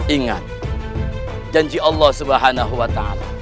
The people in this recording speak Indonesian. ingat janji allah swt